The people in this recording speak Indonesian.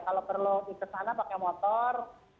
kalau perlu ke sana pakai motor